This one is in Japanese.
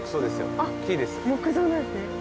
あっ木造なんですね。